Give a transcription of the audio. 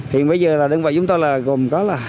hiện bây giờ đơn vị chúng tôi gồm có